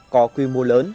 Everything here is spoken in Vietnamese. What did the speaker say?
có quy mô lớn